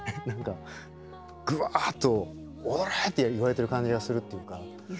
何かぐわっとオーライ！って言われてる感じがするっていうか。